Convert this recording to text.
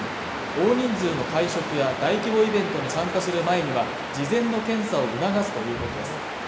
大人数の会食や大規模イベントに参加する前には事前の検査を促すということです